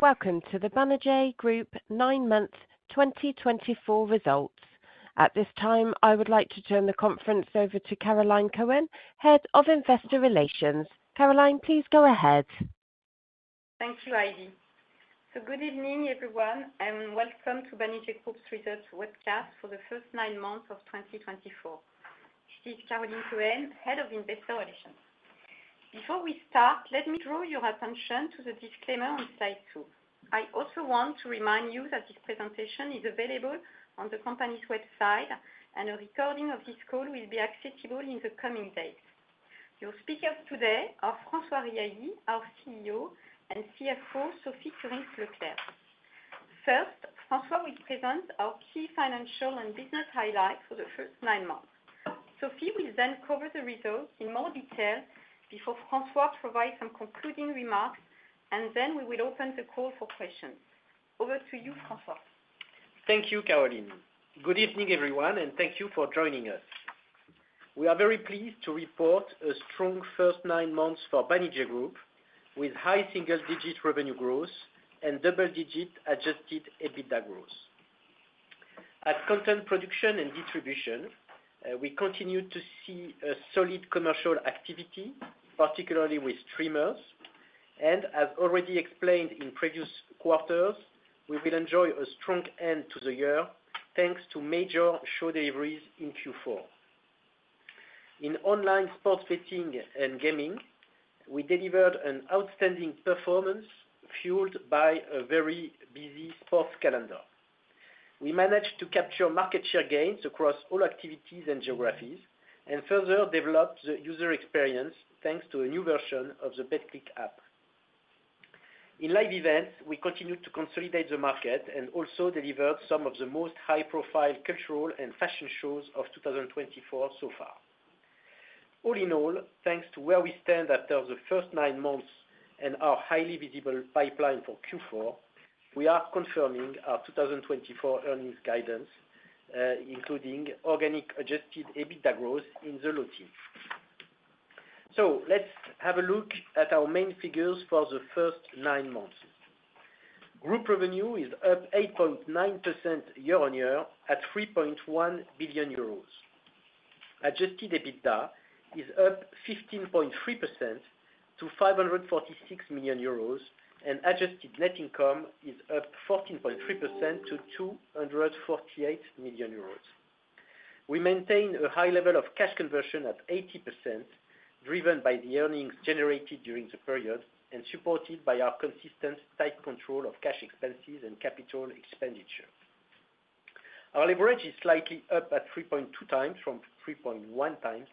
Welcome to the Banijay Group nine-month 2024 results. At this time, I would like to turn the conference over to Caroline Cohen, Head of Investor Relations. Caroline, please go ahead. Thank you, Heidi. Good evening, everyone, and welcome to Banijay Group's research webcast for the first nine months of 2024. This is Caroline Cohen, Head of Investor Relations. Before we start, let me draw your attention to the disclaimer on slide two. I also want to remind you that this presentation is available on the company's website, and a recording of this call will be accessible in the coming days. Your speakers today are François Riahi, our CEO, and CFO, Sophie Kurinckx-Leclerc. First, François will present our key financial and business highlights for the first nine months. Sophie will then cover the results in more detail before François provides some concluding remarks, and then we will open the call for questions. Over to you, François. Thank you, Caroline. Good evening, everyone, and thank you for joining us. We are very pleased to report a strong first nine months for Banijay Group, with high single-digit revenue growth and double-digit Adjusted EBITDA growth. At content production and distribution, we continue to see solid commercial activity, particularly with streamers, and, as already explained in previous quarters, we will enjoy a strong end to the year thanks to major show deliveries in Q4. In online sports betting and gaming, we delivered an outstanding performance fueled by a very busy sports calendar. We managed to capture market share gains across all activities and geographies and further developed the user experience thanks to a new version of the Betclic app. In live events, we continued to consolidate the market and also delivered some of the most high-profile cultural and fashion shows of 2024 so far. All in all, thanks to where we stand after the first nine months and our highly visible pipeline for Q4, we are confirming our 2024 earnings guidance, including organic Adjusted EBITDA growth in the low teens. So, let's have a look at our main figures for the first 9 months. Group revenue is up 8.9% year-on-year at €3.1 billion. Adjusted EBITDA is up 15.3% to €546 million, and adjusted net income is up 14.3% to €248 million. We maintain a high level of cash conversion at 80%, driven by the earnings generated during the period and supported by our consistent tight control of cash expenses and capital expenditure. Our leverage is slightly up at 3.2 times from 3.1 times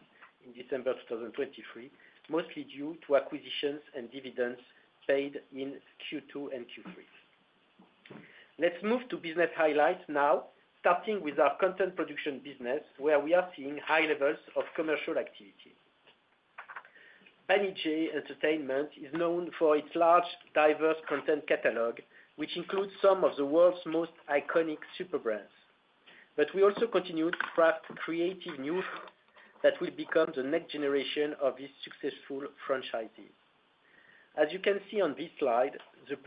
in December 2023, mostly due to acquisitions and dividends paid in Q2 and Q3. Let's move to business highlights now, starting with our content production business, where we are seeing high levels of commercial activity. Banijay Entertainment is known for its large, diverse content catalog, which includes some of the world's most iconic super brands. But we also continue to craft creative new IP that will become the next generation of these successful franchises. As you can see on this slide, this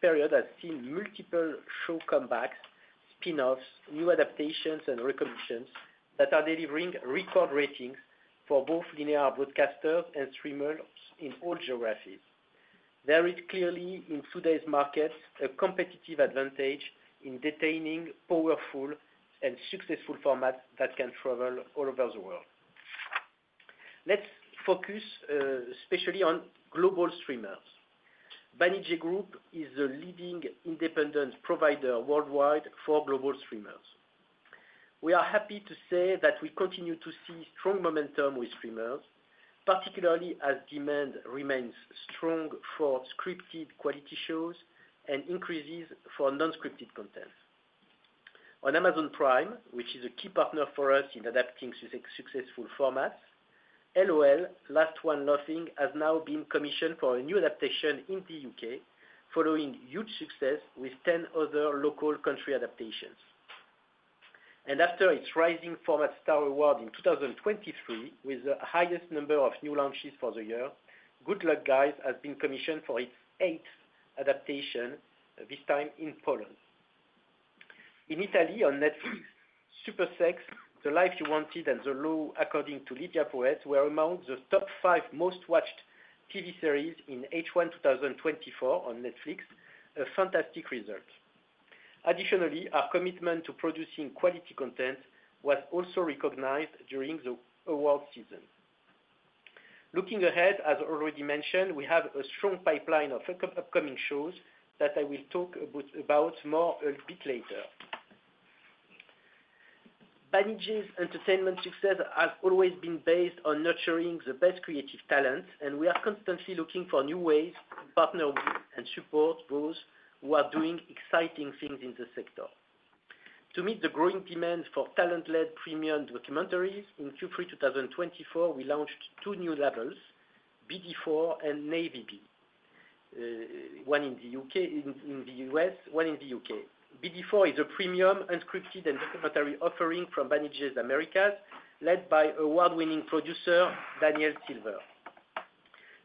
period has seen multiple show comebacks, spin-offs, new adaptations, and recommissions that are delivering record ratings for both linear broadcasters and streamers in all geographies. There is clearly, in today's market, a competitive advantage in retaining powerful and successful formats that can travel all over the world. Let's focus especially on global streamers. Banijay Group is the leading independent provider worldwide for global streamers. We are happy to say that we continue to see strong momentum with streamers, particularly as demand remains strong for scripted quality shows and increases for non-scripted content. On Amazon Prime, which is a key partner for us in adapting successful formats, LOL: Last One Laughing has now been commissioned for a new adaptation in the U.K., following huge success with 10 other local country adaptations, and after its Rising Format Star award in 2023, with the highest number of new launches for the year, Good Luck Guys has been commissioned for its eighth adaptation, this time in Poland. In Italy, on Netflix, Supersex, The Life You Wanted, and The Law According to Lidia Poët were among the top five most-watched TV series in H1 2024 on Netflix, a fantastic result. Additionally, our commitment to producing quality content was also recognized during the award season. Looking ahead, as already mentioned, we have a strong pipeline of upcoming shows that I will talk about more a bit later. Banijay's entertainment success has always been based on nurturing the best creative talents, and we are constantly looking for new ways to partner with and support those who are doing exciting things in the sector. To meet the growing demand for talent-led premium documentaries, in Q3 2024, we launched two new labels, BD4, Navybee, one in the U.S., one in the U.K.. BD4 is a premium unscripted and documentary offering from Banijay Americas, led by award-winning producer Daniel Silver.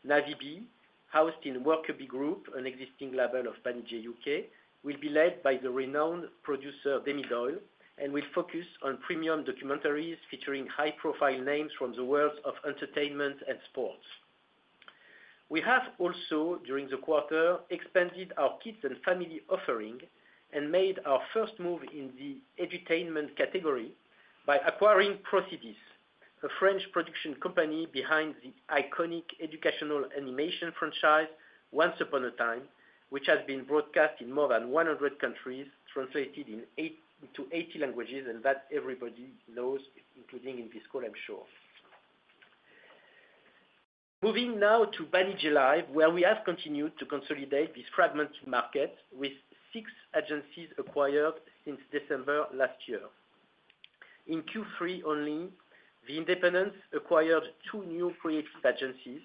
Navybee, housed in Workerbee Group, an existing label of Banijay U.K., will be led by the renowned producer Des Doyle and will focus on premium documentaries featuring high-profile names from the worlds of entertainment and sports. We have also, during the quarter, expanded our kids and family offering and made our first move in the edutainment category by acquiring Procidis, a French production company behind the iconic educational animation franchise Once Upon a Time, which has been broadcast in more than 100 countries, translated into 80 languages, and that everybody knows, including in this call, I'm sure. Moving now to Banijay Live, where we have continued to consolidate this fragmented market with six agencies acquired since December last year. In Q3 only, The Independents acquired two new creative agencies,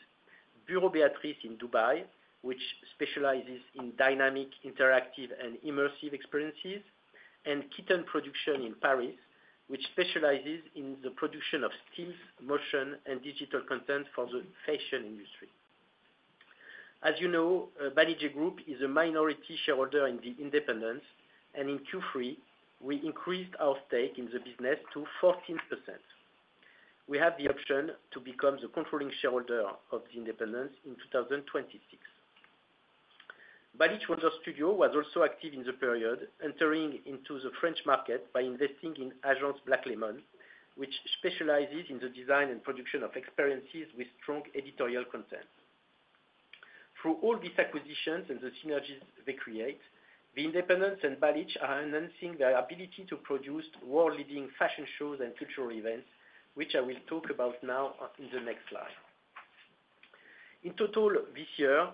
Bureau Béatrice in Dubai, which specializes in dynamic, interactive, and immersive experiences, and Kitten Production in Paris, which specializes in the production of stills, motion, and digital content for the fashion industry. As you know, Banijay Group is a minority shareholder in The Independents, and in Q3, we increased our stake in the business to 14%. We have the option to become the controlling shareholder of The Independents in 2026. Balich Wonder Studio was also active in the period, entering into the French market by investing in Agence Black Lemon, which specializes in the design and production of experiences with strong editorial content. Through all these acquisitions and the synergies they create, The Independents and Balich are enhancing their ability to produce world-leading fashion shows and cultural events, which I will talk about now in the next slide. In total, this year,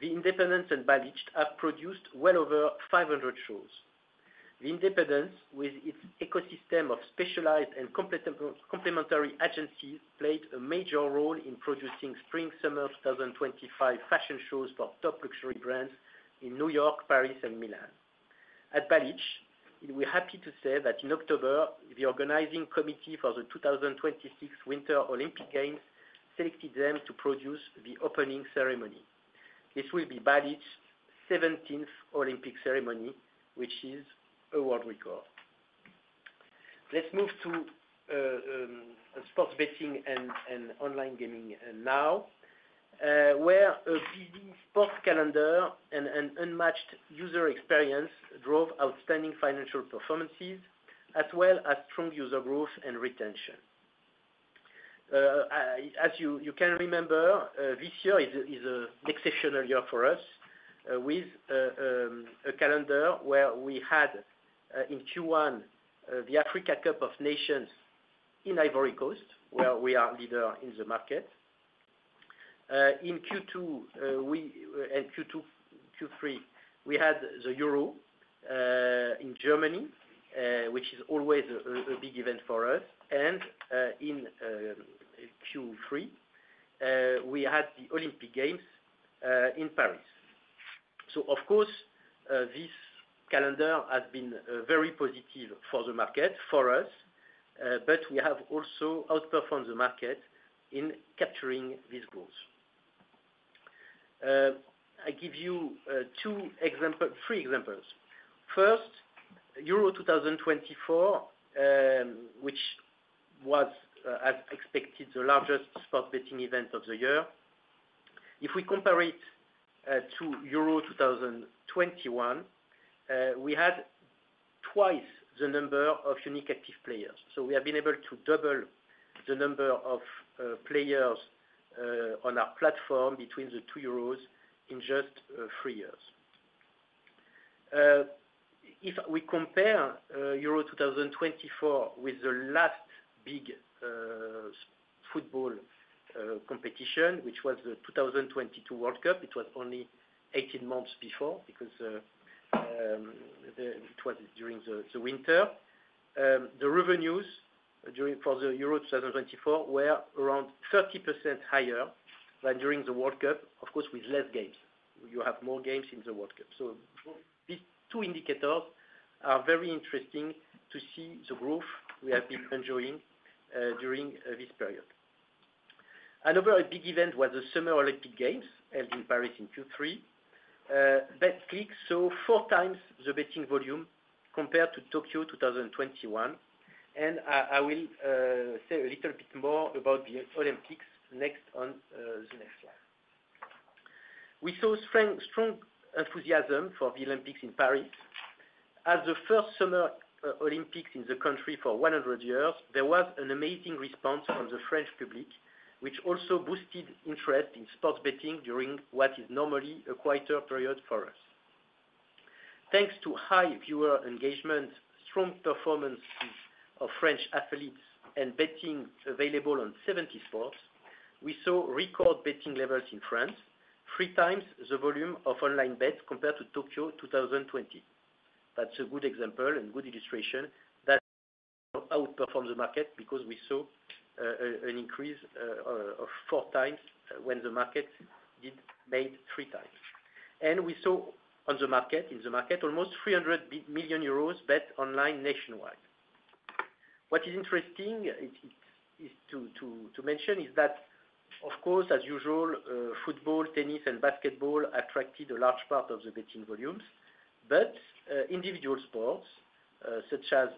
The Independents and Balich have produced well over 500 shows. The Independents, with its ecosystem of specialized and complementary agencies, played a major role in producing Spring/Summer 2025 fashion shows for top luxury brands in New York, Paris, and Milan. At Balich, we're happy to say that in October, the organizing committee for the 2026 Winter Olympic Games selected them to produce the opening ceremony. This will be Balich's 17th Olympic ceremony, which is a world record. Let's move to sports betting and online gaming now, where a busy sports calendar and an unmatched user experience drove outstanding financial performances, as well as strong user growth and retention. As you can remember, this year is an exceptional year for us, with a calendar where we had, in Q1, the Africa Cup of Nations in Ivory Coast, where we are leader in the market. In Q2 and Q3, we had the Euro in Germany, which is always a big event for us, and in Q3, we had the Olympic Games in Paris. Of course, this calendar has been very positive for the market, for us, but we have also outperformed the market in capturing these goals. I give you three examples. First, Euro 2024, which was, as expected, the largest sports betting event of the year. If we compare it to Euro 2021, we had twice the number of unique active players. So we have been able to double the number of players on our platform between the two Euros in just three years. If we compare Euro 2024 with the last big football competition, which was the 2022 World Cup, it was only 18 months before because it was during the winter. The revenues for the Euro 2024 were around 30% higher than during the World Cup, of course, with less games. You have more games in the World Cup. These two indicators are very interesting to see the growth we have been enjoying during this period. Another big event was the Summer Olympic Games held in Paris in Q3. Betclic saw four times the betting volume compared to Tokyo 2021, and I will say a little bit more about the Olympics next on the next slide. We saw strong enthusiasm for the Olympics in Paris. As the first Summer Olympics in the country for 100 years, there was an amazing response from the French public, which also boosted interest in sports betting during what is normally a quieter period for us. Thanks to high viewer engagement, strong performances of French athletes, and betting available on 70 sports, we saw record betting levels in France, three times the volume of online bets compared to Tokyo 2020. That's a good example and good illustration that we outperformed the market because we saw an increase of four times when the market did made three times, and we saw on the market, in the market, almost 300 million euros bet online nationwide. What is interesting to mention is that, of course, as usual, football, tennis, and basketball attracted a large part of the betting volumes, but individual sports such as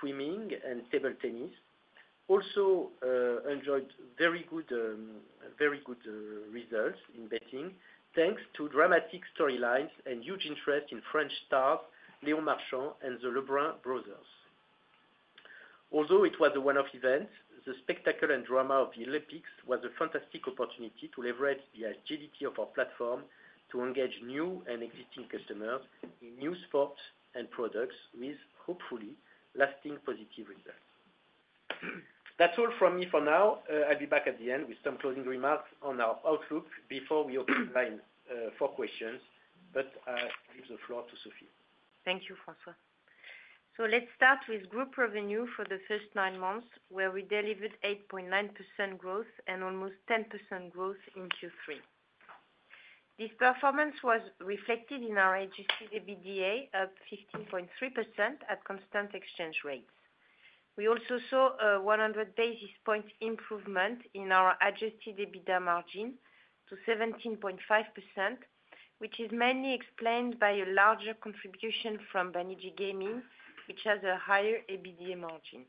swimming and table tennis also enjoyed very good results in betting thanks to dramatic storylines and huge interest in French stars Léon Marchand and the Lebrun brothers. Although it was a one-off event, the spectacle and drama of the Olympics was a fantastic opportunity to leverage the agility of our platform to engage new and existing customers in new sports and products with, hopefully, lasting positive results. That's all from me for now. I'll be back at the end with some closing remarks on our outlook before we open the line for questions, but I give the floor to Sophie. Thank you, François. So let's start with group revenue for the first nine months, where we delivered 8.9% growth and almost 10% growth in Q3. This performance was reflected in our Adjusted EBITDA of 15.3% at constant exchange rates. We also saw a 100 basis point improvement in our Adjusted EBITDA margin to 17.5%, which is mainly explained by a larger contribution from Banijay Gaming, which has a higher EBITDA margin.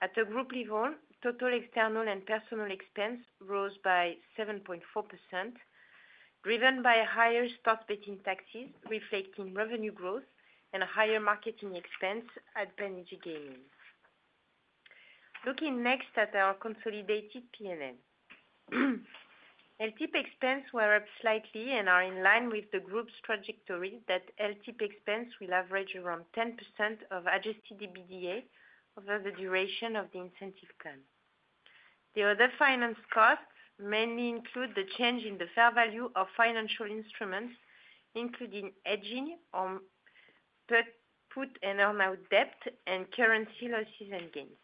At the group level, total external and personnel expense rose by 7.4%, driven by higher sports betting taxes reflecting revenue growth and higher marketing expense at Banijay Gaming. Looking next at our consolidated P&L, LTIP expense will rise slightly and are in line with the group's trajectory that LTIP expense will average around 10% of Adjusted EBITDA over the duration of the incentive plan. The other finance costs mainly include the change in the fair value of financial instruments, including hedging on put and earnout debt and currency losses and gains.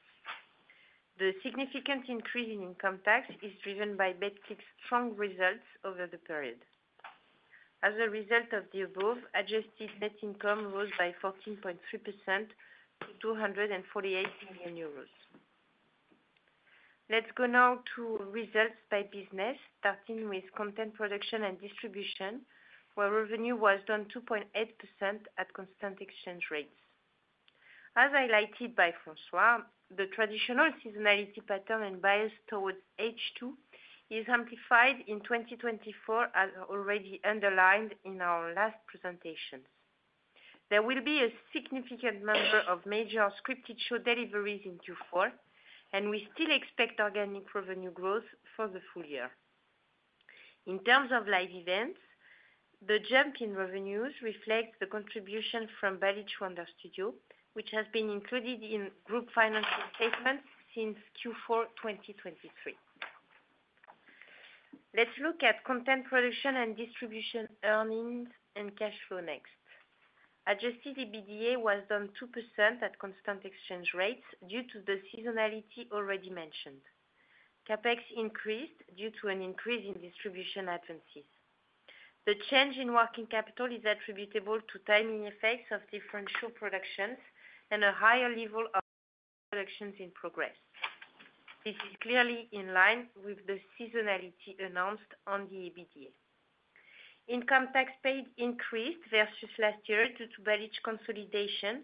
The significant increase in income tax is driven by Betclic's strong results over the period. As a result of the above, adjusted net income rose by 14.3% to 248 million euros. Let's go now to results by business, starting with content production and distribution, where revenue was down 2.8% at constant exchange rates. As highlighted by François, the traditional seasonality pattern and bias towards H2 is amplified in 2024, as already underlined in our last presentations. There will be a significant number of major scripted show deliveries in Q4, and we still expect organic revenue growth for the full year. In terms of live events, the jump in revenues reflects the contribution from Balich Wonder Studio, which has been included in group financial statements since Q4 2023. Let's look at content production and distribution earnings and cash flow next. Adjusted EBITDA was down 2% at constant exchange rates due to the seasonality already mentioned. CapEx increased due to an increase in distribution advances. The change in working capital is attributable to timing effects of different show productions and a higher level of productions in progress. This is clearly in line with the seasonality announced on the EBITDA. Income tax paid increased versus last year due to Balich consolidation,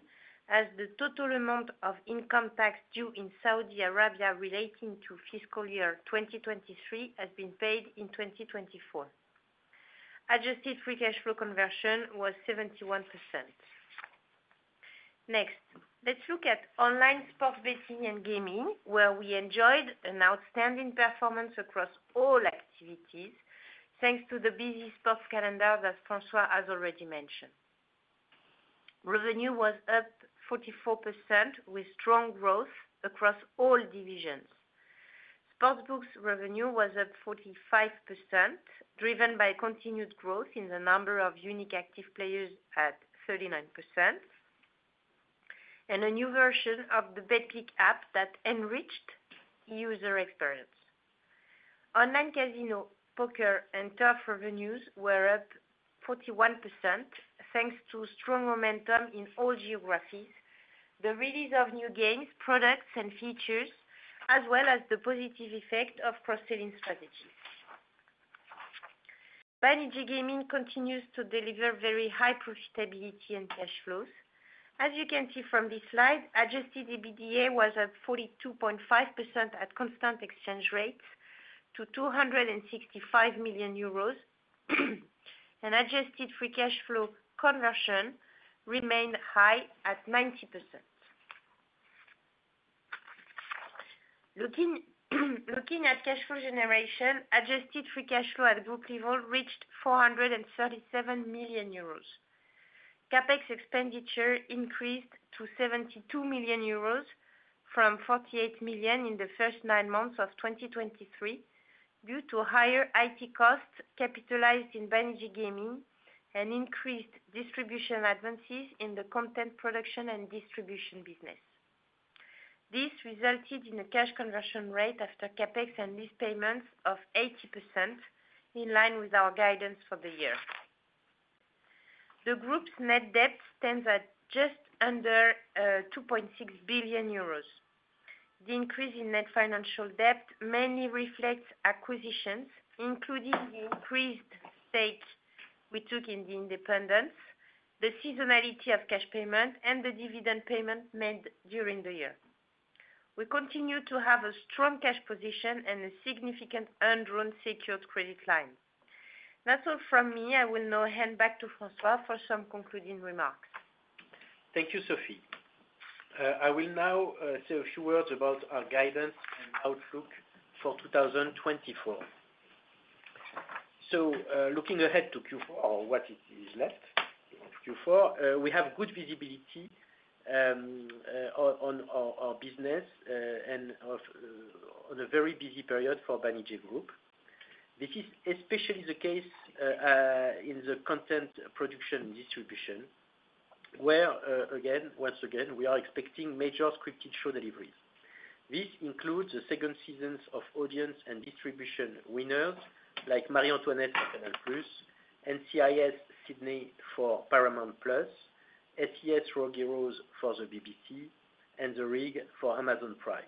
as the total amount of income tax due in Saudi Arabia relating to fiscal year 2023 has been paid in 2024. Adjusted free cash flow conversion was 71%. Next, let's look at online sports betting and gaming, where we enjoyed an outstanding performance across all activities thanks to the busy sports calendar that François has already mentioned. Revenue was up 44% with strong growth across all divisions. Sportsbooks revenue was up 45%, driven by continued growth in the number of unique active players at 39%, and a new version of the Betclic app that enriched user experience. Online casino, poker, and turf revenues were up 41% thanks to strong momentum in all geographies, the release of new games, products, and features, as well as the positive effect of cross-selling strategies. Banijay Gaming continues to deliver very high profitability and cash flows. As you can see from this slide, Adjusted EBITDA was up 42.5% at constant exchange rates to 265 million euros, and adjusted free cash flow conversion remained high at 90%. Looking at cash flow generation, adjusted free cash flow at group level reached 437 million euros. CapEx expenditure increased to 72 million euros from 48 million in the first nine months of 2023 due to higher IT costs capitalized in Banijay Gaming and increased distribution advances in the content production and distribution business. This resulted in a cash conversion rate after CapEx and lease payments of 80%, in line with our guidance for the year. The group's net debt stands at just under 2.6 billion euros. The increase in net financial debt mainly reflects acquisitions, including the increased stake we took in The Independents, the seasonality of cash payment, and the dividend payment made during the year. We continue to have a strong cash position and a significant undrawn loan secured credit line. That's all from me. I will now hand back to François for some concluding remarks. Thank you, Sophie. I will now say a few words about our guidance and outlook for 2024. So looking ahead to Q4, or what is left, Q4, we have good visibility on our business and on a very busy period for Banijay Group. This is especially the case in the content production and distribution, where, again, once again, we are expecting major scripted show deliveries. This includes the second seasons of audience and distribution winners like Marie-Antoinette on Canal+, NCIS: Sydney for Paramount+, SAS: Rogue Heroes for the BBC, and The Rig for Amazon Prime.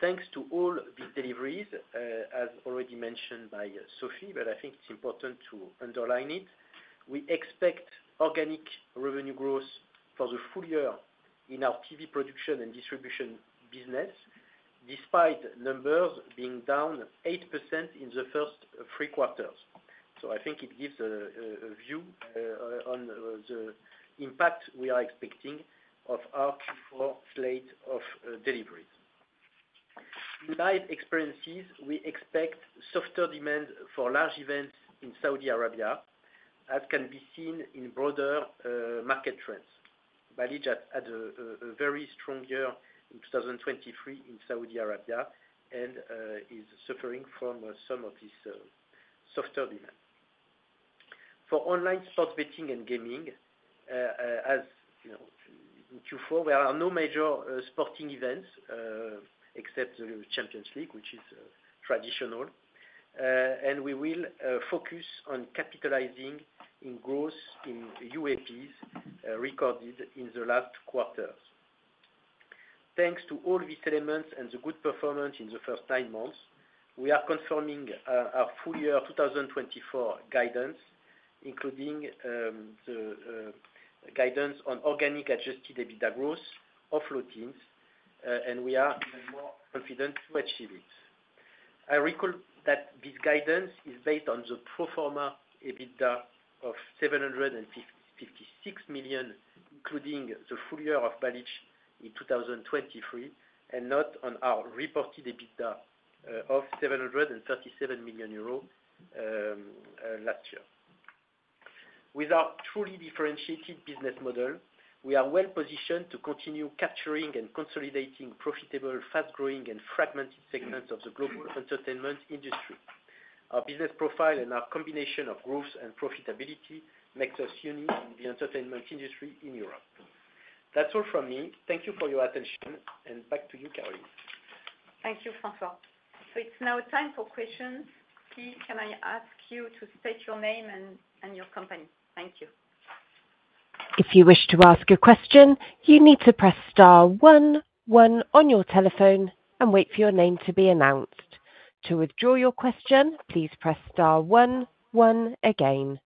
Thanks to all these deliveries, as already mentioned by Sophie, but I think it's important to underline it, we expect organic revenue growth for the full year in our TV production and distribution business, despite numbers being down 8% in the first three quarters. So I think it gives a view on the impact we are expecting of our Q4 slate of deliveries. In live experiences, we expect softer demand for large events in Saudi Arabia, as can be seen in broader market trends. Banijay had a very strong year in 2023 in Saudi Arabia and is suffering from some of this softer demand. For online sports betting and gaming, as in Q4, there are no major sporting events except the Champions League, which is traditional, and we will focus on capitalizing on growth in UAPs recorded in the last quarters. Thanks to all these elements and the good performance in the first nine months, we are confirming our full year 2024 guidance, including the guidance on organic revenue growth of around 10%, and we are even more confident to achieve it. I recall that this guidance is based on the pro forma EBITDA of €756 million, including the full year of Banijay in 2023, and not on our reported EBITDA of €737 million last year. With our truly differentiated business model, we are well positioned to continue capturing and consolidating profitable, fast-growing, and fragmented segments of the global entertainment industry. Our business profile and our combination of growth and profitability makes us unique in the entertainment industry in Europe. That's all from me. Thank you for your attention, and back to you, Caroline. Thank you, François. So it's now time for questions. Sophie, can I ask you to state your name and your company? Thank you. If you wish to ask a question, you need to press star one one on your telephone, and wait for your name to be announced. To withdraw your question, please press star one one again.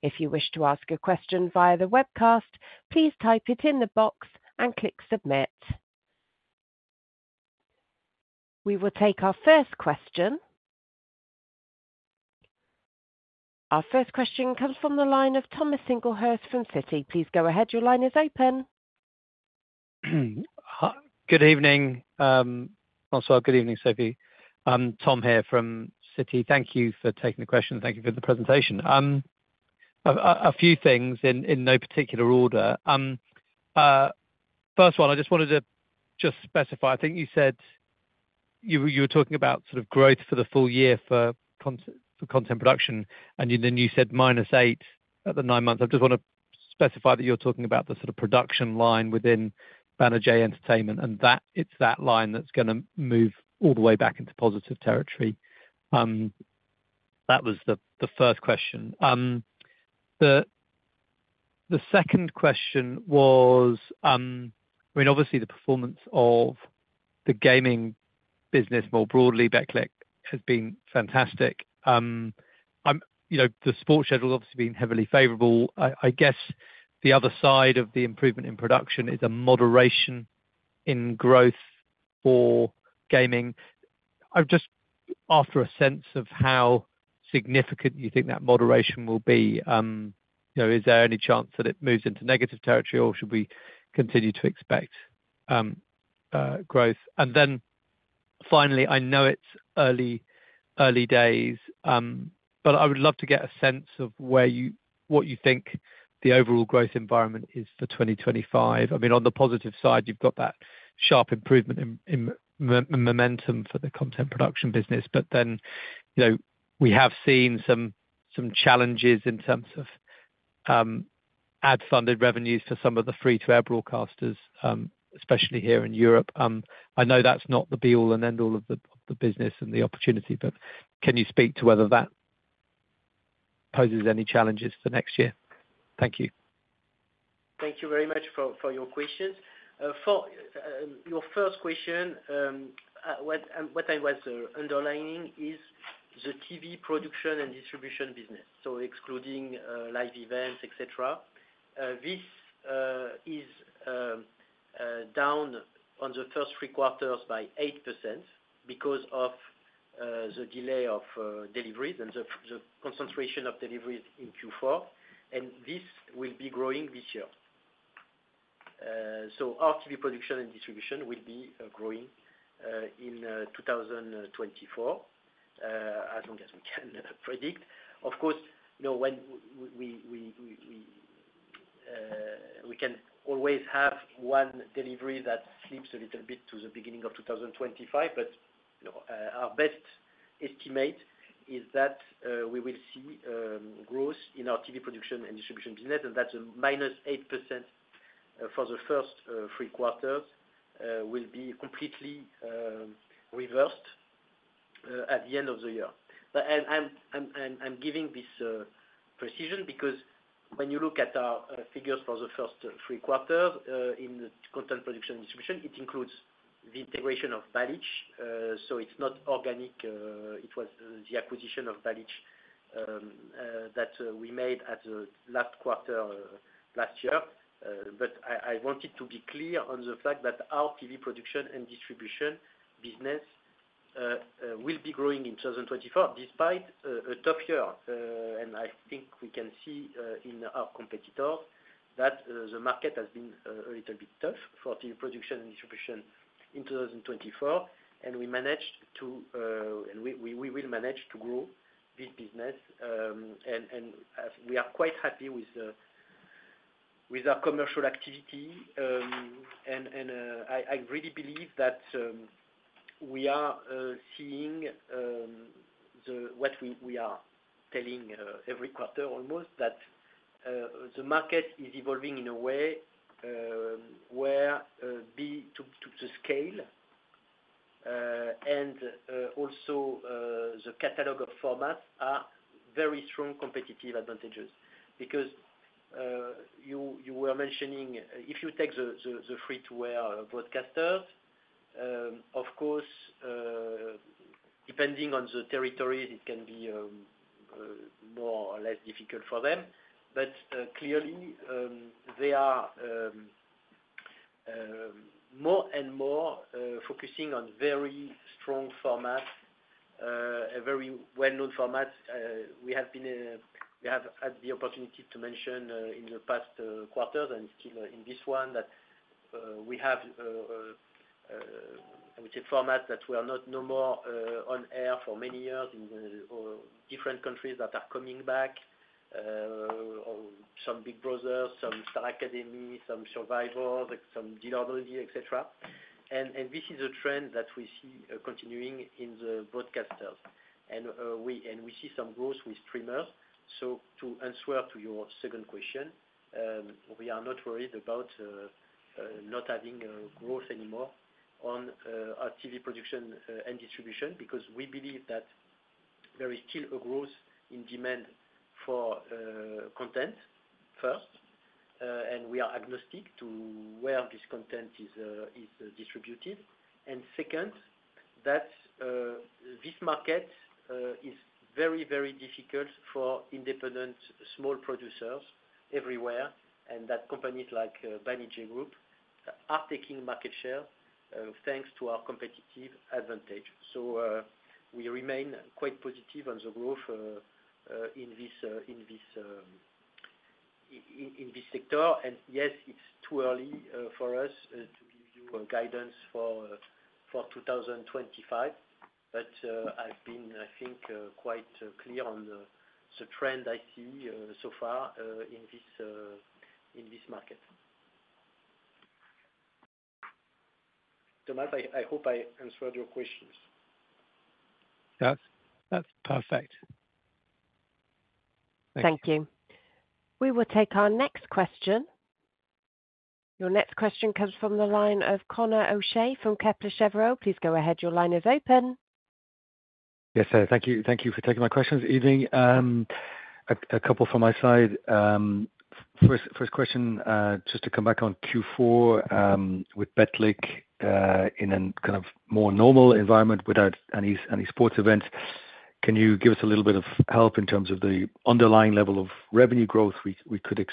If you wish to ask a question via the webcast, please type it in the box and click submit. We will take our first question. Our first question comes from the line of Thomas Singlehurst from Citi. Please go ahead. Your line is open. Good evening, François. Good evening, Sophie. Tom here from Citi. Thank you for taking the question. Thank you for the presentation. A few things in no particular order. First of all, I just wanted to just specify. I think you said you were talking about sort of growth for the full year for content production, and then you said minus eight at the nine months. I just want to specify that you're talking about the sort of production line within Banijay Entertainment, and it's that line that's going to move all the way back into positive territory. That was the first question. The second question was, I mean, obviously, the performance of the gaming business more broadly, Betclic, has been fantastic. The sports schedule has obviously been heavily favorable. I guess the other side of the improvement in production is a moderation in growth for gaming. I'm just after a sense of how significant you think that moderation will be. Is there any chance that it moves into negative territory, or should we continue to expect growth? And then finally, I know it's early days, but I would love to get a sense of what you think the overall growth environment is for 2025. I mean, on the positive side, you've got that sharp improvement in momentum for the content production business, but then we have seen some challenges in terms of ad-funded revenues for some of the free-to-air broadcasters, especially here in Europe. I know that's not the be-all and end-all of the business and the opportunity, but can you speak to whether that poses any challenges for next year? Thank you. Thank you very much for your questions. For your first question, what I was underlining is the TV production and distribution business, so excluding live events, etc. This is down on the first three quarters by 8% because of the delay of deliveries and the concentration of deliveries in Q4, and this will be growing this year, so our TV production and distribution will be growing in 2024 as long as we can predict. Of course, we can always have one delivery that slips a little bit to the beginning of 2025, but our best estimate is that we will see growth in our TV production and distribution business, and that's a minus 8% for the first three quarters will be completely reversed at the end of the year, and I'm giving this precision because when you look at our figures for the first three quarters in the content production and distribution, it includes the integration of Balich, so it's not organic. It was the acquisition of Balich that we made at the last quarter last year, but I wanted to be clear on the fact that our TV production and distribution business will be growing in 2024 despite a tough year, and I think we can see in our competitors that the market has been a little bit tough for TV production and distribution in 2024, and we managed to, and we will manage to grow this business, and we are quite happy with our commercial activity, and I really believe that we are seeing what we are telling every quarter almost, that the market is evolving in a way where to scale and also the catalog of formats are very strong competitive advantages. Because you were mentioning, if you take the free-to-air broadcasters, of course, depending on the territories, it can be more or less difficult for them. But clearly, they are more and more focusing on very strong formats, very well-known formats. We have had the opportunity to mention in the past quarters and still in this one that we have, I would say, formats that were no more on air for many years in different countries that are coming back, some Big Brother, some Star Academy, some Survivor, some Deal or No Deal, etc. And this is a trend that we see continuing in the broadcasters. And we see some growth with streamers. So to answer to your second question, we are not worried about not having growth anymore on our TV production and distribution because we believe that there is still a growth in demand for content first, and we are agnostic to where this content is distributed. And second, that this market is very, very difficult for independent small producers everywhere, and that companies like Banijay Group are taking market share thanks to our competitive advantage. So we remain quite positive on the growth in this sector. And yes, it's too early for us to give you guidance for 2025, but I've been, I think, quite clear on the trend I see so far in this market. Thomas, I hope I answered your questions. That's perfect. Thank you. We will take our next question. Your next question comes from the line of Conor O'Shea from Kepler Cheuvreux. Please go ahead. Your line is open. Yes, thank you for taking my questions. Evening. A couple from my side. First question, just to come back on Q4 with Betclic in a kind of more normal environment without any sports events. Can you give us a little bit of help in terms of the underlying level of revenue growth we could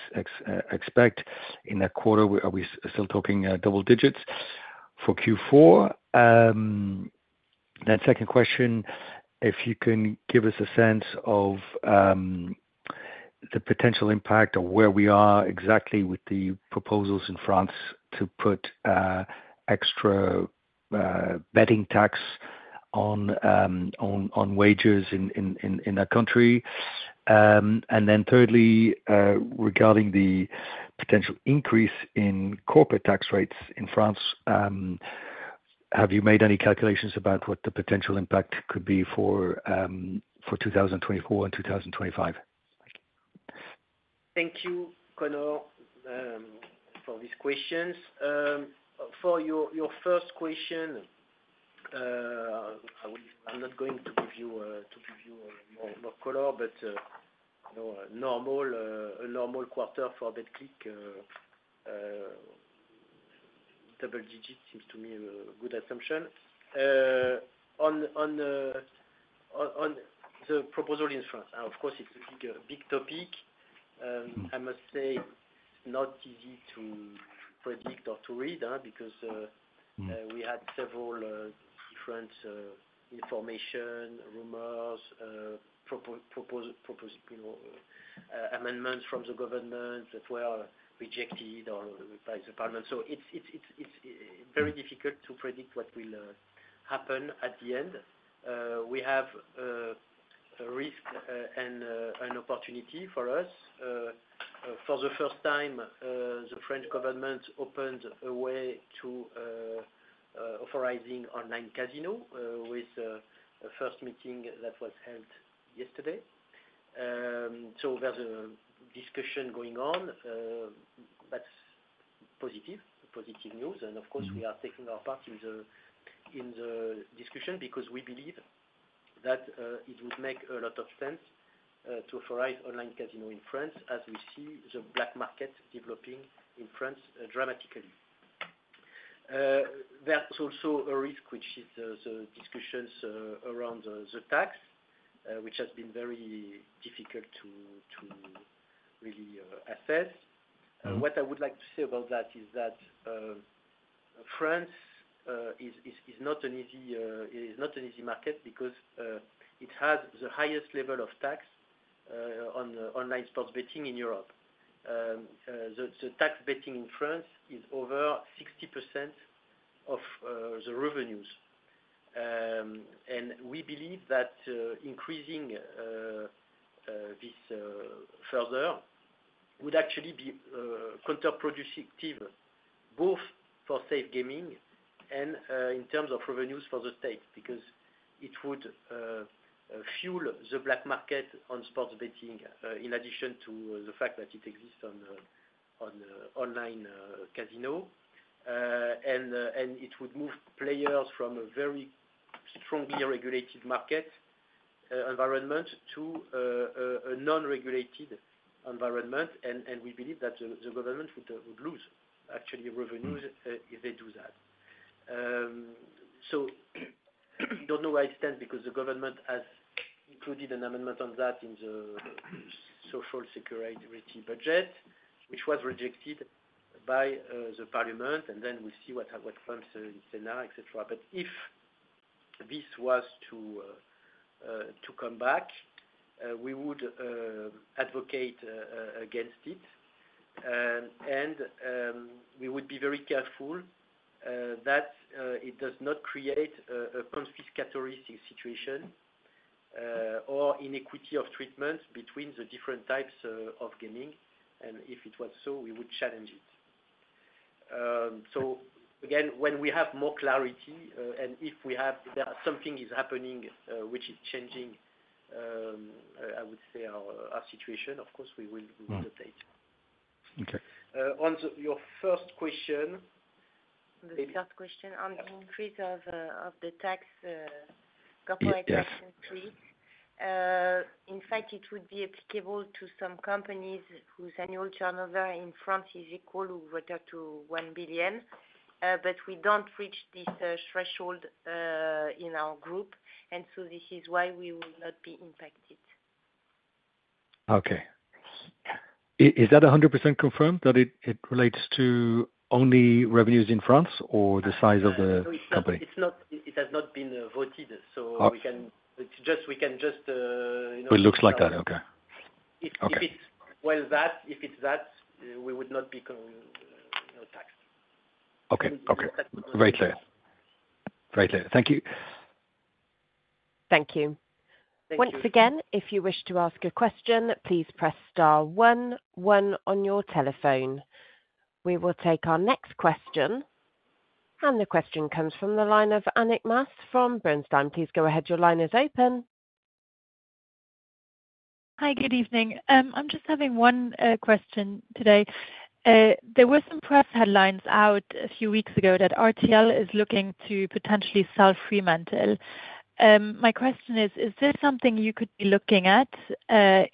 expect in that quarter? Are we still talking double digits for Q4? Then, second question, if you can give us a sense of the potential impact of where we are exactly with the proposals in France to put extra betting tax on wagers in the country. And then thirdly, regarding the potential increase in corporate tax rates in France, have you made any calculations about what the potential impact could be for 2024 and 2025? Thank you. Thank you, Conor, for these questions. For your first question, I'm not going to give you more color, but a normal quarter for Betclic, double digit seems to me a good assumption. On the proposal in France, of course, it's a big topic. I must say it's not easy to predict or to read because we had several different information, rumors, amendments from the government that were rejected by the parliament, so it's very difficult to predict what will happen at the end. We have a risk and an opportunity for us. For the first time, the French government opened a way to authorizing online casino with the first meeting that was held yesterday, so there's a discussion going on, but positive, positive news. Of course, we are taking our part in the discussion because we believe that it would make a lot of sense to authorize online casino in France as we see the black market developing in France dramatically. There's also a risk, which is the discussions around the tax, which has been very difficult to really assess. What I would like to say about that is that France is not an easy market because it has the highest level of tax on online sports betting in Europe. The tax betting in France is over 60% of the revenues, and we believe that increasing this further would actually be counterproductive both for safe gaming and in terms of revenues for the state because it would fuel the black market on sports betting in addition to the fact that it exists on online casino, and it would move players from a very strongly regulated market environment to a non-regulated environment, and we believe that the government would lose actually revenues if they do that. So I don't know where it stands because the government has included an amendment on that in the social security budget, which was rejected by the parliament, and then we'll see what comes in Sénat, etc. But if this was to come back, we would advocate against it, and we would be very careful that it does not create a confiscatory situation or inequity of treatment between the different types of gaming. And if it was so, we would challenge it. So again, when we have more clarity and if there is something happening which is changing, I would say our situation, of course, we will update. On your first question. The first question on the increase of the tax corporate tax increase. In fact, it would be applicable to some companies whose annual turnover in France is equal to 1 billion, but we don't reach this threshold in our group, and so this is why we will not be impacted. Okay. Is that 100% confirmed that it relates to only revenues in France or the size of the company? It has not been voted, so we can just. It looks like that. Okay. If it's that, we would not be taxed. Okay. Okay. Very clear. Very clear. Thank you. Thank you. Thank you. Once again, if you wish to ask a question, please press star one one on your telephone. We will take our next question, and the question comes from the line of Annick Maas from Bernstein. Please go ahead. Your line is open. Hi, good evening. I'm just having one question today. There were some press headlines out a few weeks ago that RTL is looking to potentially sell Fremantle. My question is, is this something you could be looking at?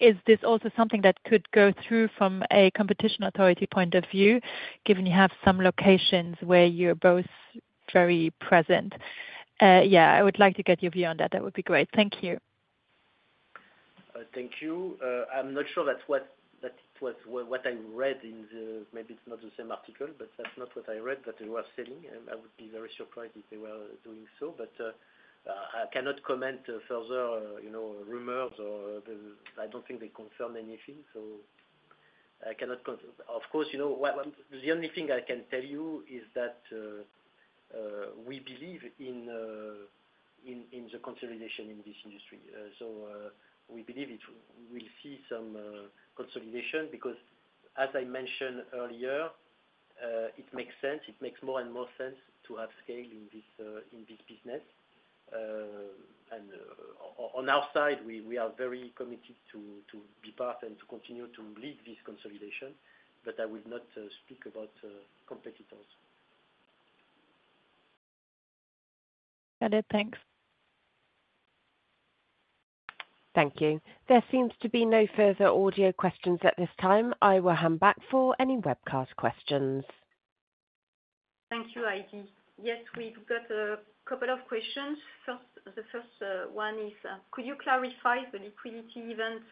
Is this also something that could go through from a competition authority point of view, given you have some locations where you're both very present? Yeah, I would like to get your view on that. That would be great. Thank you. Thank you. I'm not sure that's what I read in the maybe it's not the same article, but that's not what I read that they were selling. I would be very surprised if they were doing so, but I cannot comment further rumors. I don't think they confirmed anything, so I cannot. Of course, the only thing I can tell you is that we believe in the consolidation in this industry. So we believe we'll see some consolidation because, as I mentioned earlier, it makes sense. It makes more and more sense to have scale in this business. And on our side, we are very committed to be part and to continue to lead this consolidation, but I will not speak about competitors. Got it. Thanks. Thank you. There seems to be no further audio questions at this time. I will hand back for any webcast questions. Thank you, Heidi. Yes, we've got a couple of questions. The first one is, could you clarify the liquidity event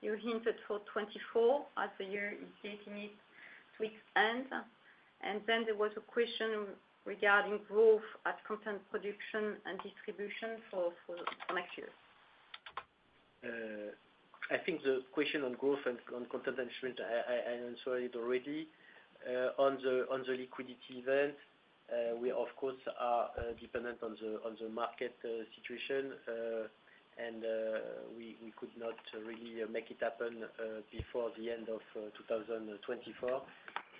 you hinted for 2024 as the year is drawing to its end? And then there was a question regarding growth at content production and distribution for next year. I think the question on growth and content management, I answered it already. On the liquidity event, we, of course, are dependent on the market situation, and we could not really make it happen before the end of 2024.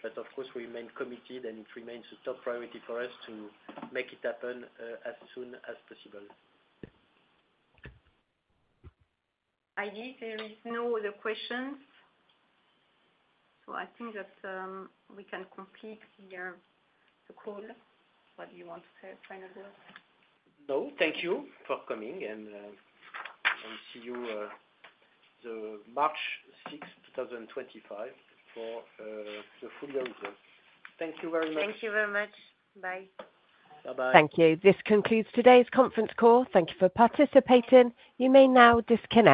But of course, we remain committed, and it remains a top priority for us to make it happen as soon as possible. Heidi, there are no other questions. So I think that we can complete here the call. What do you want to say, final words? No, thank you for coming, and see you on March 6, 2025, for the full year report. Thank you very much. Thank you very much. Bye. Bye-bye. Thank you. This concludes today's conference call. Thank you for participating. You may now disconnect.